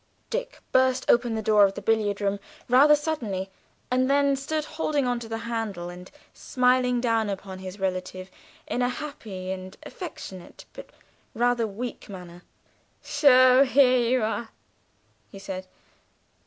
_ Dick burst open the door of the billiard room rather suddenly, and then stood holding on to the handle and smiling down upon his relative in a happy and affectionate but rather weak manner. "So here you are!" he said.